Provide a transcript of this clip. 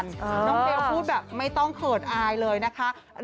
น้องเบลพูดแบบไม่ต้องเขิดอายเลยนะคะ